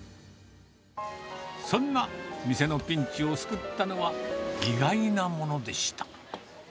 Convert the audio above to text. そんな店のピンチを救ったのは、意外なものでした。